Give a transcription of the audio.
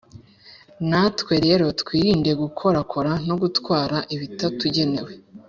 na twe rero twirinde gukorakora no gutwara ibitatugenewe.